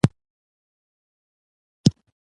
زموږ وګړي او هیواد د اقلیمي بدلون له سخت ګواښ سره مخ دي.